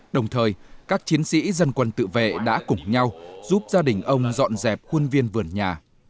đồng thời các chiến sĩ dân quân tự vệ đã cùng nhau giúp gia đình ông dọn dẹp khuôn viên vườn nhà